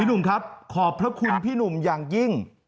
หนุ่มครับขอบพระคุณพี่หนุ่มอย่างยิ่ง